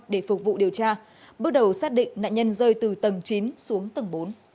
để phục vụ điều tra bước đầu xác định nạn nhân rơi từ tầng chín xuống tầng bốn